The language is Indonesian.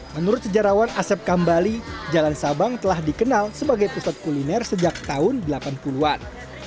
menurut sejarawan asep kambali jalan sabang telah dikenal sebagai pusat kuliner sejak tahun delapan puluh an